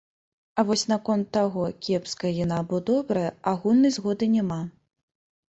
А вось наконт таго, кепская яна або добрая, агульнай згоды няма.